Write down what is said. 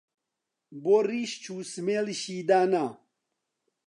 بۆ ڕیش جوو سمێڵیشی دانا